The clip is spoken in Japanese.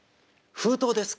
封筒です。